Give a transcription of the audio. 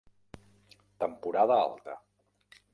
Temporada Alta.